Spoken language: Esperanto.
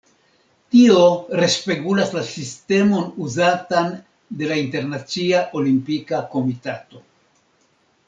Tio respegulas la sistemon uzatan de la Internacia Olimpika Komitato.